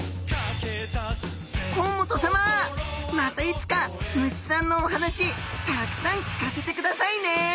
甲本さままたいつか虫さんのお話たくさん聞かせてくださいね！